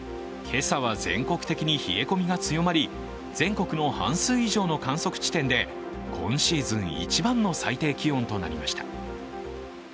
今朝は全国的に冷え込みが強まり全国の半数以上の観測地点で今シーズン一番の最低気温となりました。